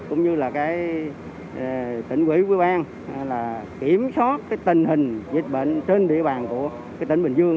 cũng như là tỉnh quỹ quý bang kiểm soát tình hình dịch bệnh trên địa bàn của tỉnh bình dương